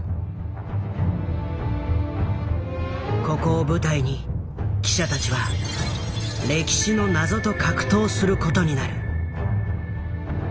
ここを舞台に記者たちは歴史の謎と格闘することになる。